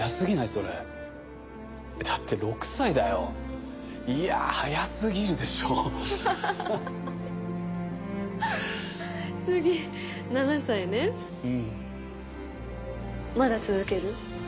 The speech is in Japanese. それだって６歳だよ？いや早過ぎるでしょアハハまだ続ける？